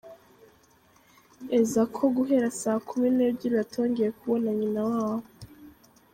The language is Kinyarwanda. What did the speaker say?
eza ko guhera saa kumi n’ebyiri batongeye kubona nyina wabo.